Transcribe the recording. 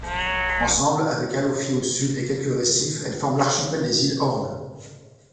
Ensemble avec Alofi au sud et quelques récifs, elle forme l'archipel des îles Horn.